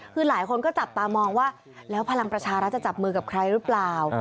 คือหลายคนก็จับตามองว่าแล้วพลังประชารัฐจะจับมือกับใครหรือเปล่า